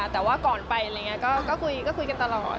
แต่ว่าก่อนไปก็คุยกันตลอด